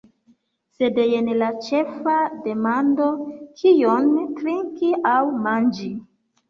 Sed jen la ĉefa demando: « kion trinki aŭ manĝi."